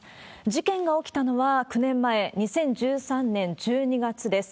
事件が起きたのは９年前、２０１３年１２月です。